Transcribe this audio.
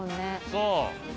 そう。